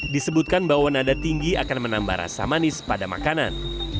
disebutkan bahwa nada tinggi akan menambah rasa manis pada makanan